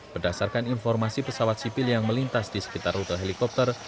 berdasarkan informasi pesawat sipil yang melintas di sekitar rute helikopter